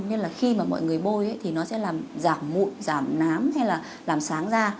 nên là khi mà mọi người bôi thì nó sẽ làm giảm mụn giảm nám hay là làm sáng da